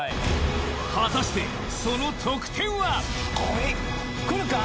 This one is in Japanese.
果たしてその得点は？くるか？